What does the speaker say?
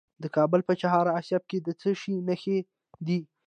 د کابل په چهار اسیاب کې د څه شي نښې دي؟